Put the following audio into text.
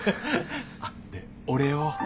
あっでお礼を。